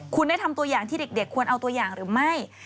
คุณได้ทำตัวอย่างที่เด็กควรเอาตัวอย่างหรือไม่